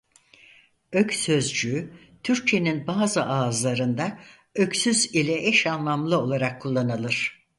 Ök sözcüğü Türkçenin bazı ağızlarında öksüz ile eş anlamlı olarak kullanılır.